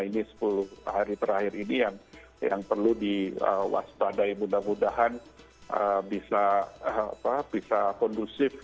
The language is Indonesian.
ini sepuluh hari terakhir ini yang perlu diwaspadai mudah mudahan bisa kondusif